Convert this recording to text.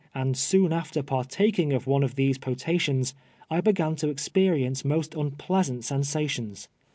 and soon after parta kinji; of one of these potations, I beg an to experience most unpleasant sensations.